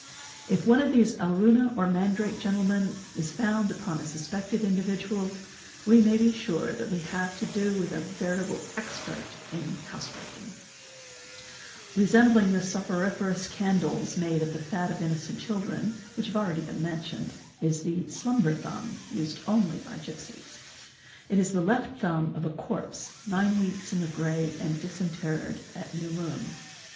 If one of these alruna or mandrake gentlemen is found upon a suspected individual, we may be sure we have to do with a veritable expert in house breaking ©%5 696), Resembling the "soporiferous candles"' made of the fat of innocent , children, which have already been mentioned, is the '"'slumber thumb"', used only by gipsies. It is the left thumb of a corpse nine weeks in the grave and disinterred at new moon.